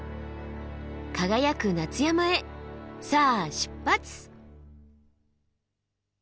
輝く夏山へさあ出発！